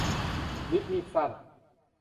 ฤทธิ์มีดสั้น